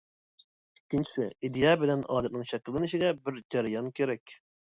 ئىككىنچىسى ئىدىيە بىلەن ئادەتنىڭ شەكىللىنىشىگە بىر جەريان كېرەك.